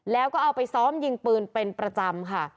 แล้วก็เอาไปซ้อมยิงปืนเป็นประจำค่ะ